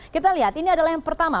kita lihat ini adalah yang pertama